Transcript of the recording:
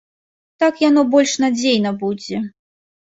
Так яно больш надзейна будзе.